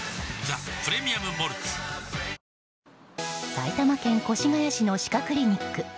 埼玉県越谷市の歯科クリニック。